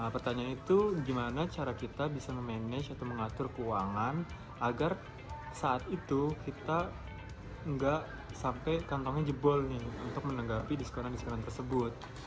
pertanyaan itu gimana cara kita bisa memanage atau mengatur keuangan agar saat itu kita enggak sampai kantongnya jebol nih untuk menanggapi diskonan diskon tersebut